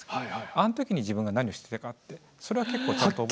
あの時に自分が何をしてたかってそれは結構ちゃんと覚えて。